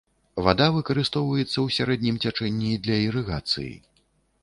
Вада выкарыстоўваецца ў сярэднім цячэнні для ірыгацыі.